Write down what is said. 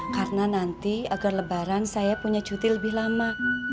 karena nanti agar lebaran saya punya cuti lebih lama